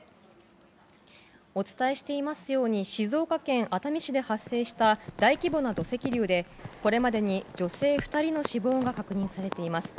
お伝えしていますように静岡県熱海市で発生した大規模な土石流でこれまでに女性２人の死亡が確認されています。